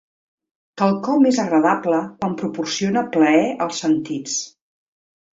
Quelcom és agradable quan proporciona plaer als sentits.